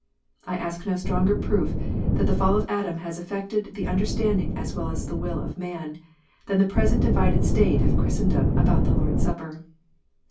I ask no stronger proof that the fall of Adam has affected the under standing as well as the will of man, than the present divided state of Christendom about the Lord s Supper.